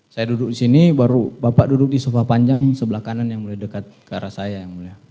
saya duduk disini baru bapak duduk di sofa panjang sebelah kanan yang mulia dekat ke arah saya ya mulia